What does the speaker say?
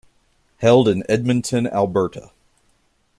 Held in Edmonton, Alberta.